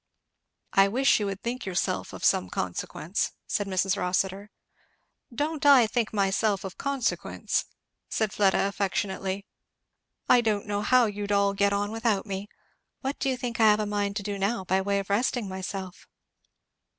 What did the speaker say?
"I wish you would think yourself of some consequence," said Mrs. Rossitur. "Don't I think myself of consequence!" naid Fleda affectionately. "I don't know how you'd all get on without me. What do you think I have a mind to do now, by way of resting myself?"